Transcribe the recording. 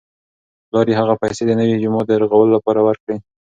پلار یې هغه پیسې د نوي جومات د رغولو لپاره ورکړې.